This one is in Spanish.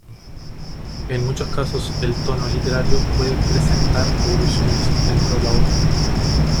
En muchos casos, el tono literario puede presentar evoluciones dentro de la obra.